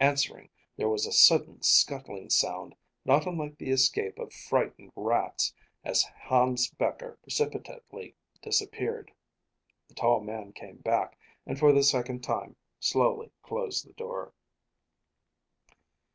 Answering, there was a sudden, scuttling sound, not unlike the escape of frightened rats, as Hans Becher precipitately disappeared. The tall man came back and for the second time slowly closed the door.